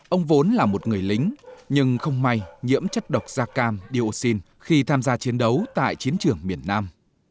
ông vốn là một người lính nhưng không may nhiễm chất độc gia cam điều sinh khi tham gia chiến đấu tại chiến trường miền nam